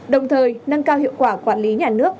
đồng thời nâng cao hiệu quả quản lý nhà nước